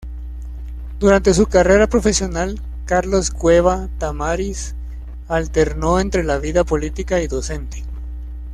Durante su carrera profesional, Carlos Cueva Tamariz alternó entre la vida política y docente.